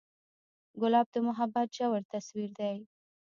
ګلاب د محبت ژور تصویر دی.